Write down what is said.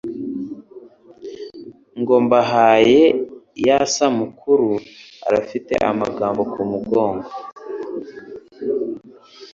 Ngombahe ya Samukuru Arafite amagambo ku Mugongo.